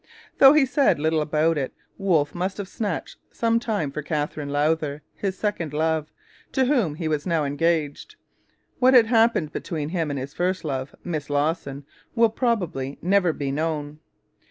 Though he said little about it, Wolfe must have snatched some time for Katherine Lowther, his second love, to whom he was now engaged. What had happened between him and his first love, Miss Lawson, will probably never be known.